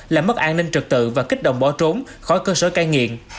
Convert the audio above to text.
làm mất an ninh trực tự và kích động bỏ trốn khỏi cơ sở cai nghiện